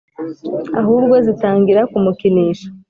ahubwo zitangira kumukinisha,